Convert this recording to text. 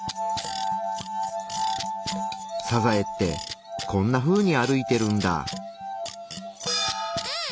サザエってこんなふうに歩いてるんだ。